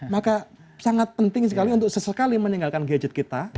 maka sangat penting sekali untuk sesekali meninggalkan gadget kita